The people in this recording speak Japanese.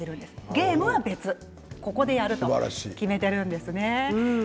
ゲームは別の時間やると決めているんです。